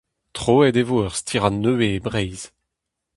Troet e vo ur stirad nevez e Breizh.